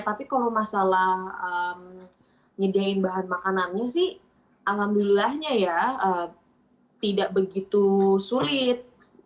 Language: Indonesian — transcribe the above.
tapi kalau masalah nyediain bahan makanannya sih alhamdulillahnya ya tidak begitu sulit